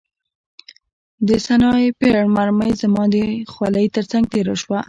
د سنایپر مرمۍ زما د خولۍ ترڅنګ تېره شوه